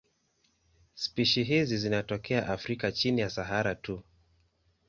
Spishi hizi zinatokea Afrika chini ya Sahara tu.